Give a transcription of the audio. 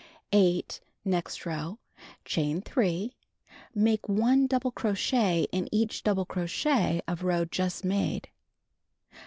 8. Next row: Chain 3. Make 1 double crochet in each double crochet of row just made.